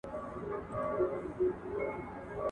زه به سبا بوټونه پاکوم